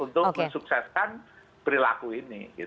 untuk men sukseskan perilaku ini gitu